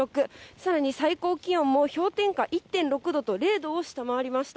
さらに最高気温も氷点下１．６度と０度を下回りました。